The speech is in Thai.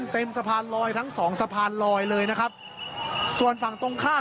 เต็มสะพานลอยทั้งสองสะพานลอยเลยนะครับส่วนฝั่งตรงข้าม